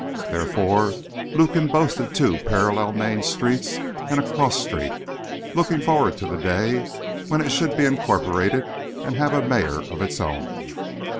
Therefore, Lukin boasted two parallel main streets, and a cross street, looking forward to the day when it should be incorporated and have a mayor of its own.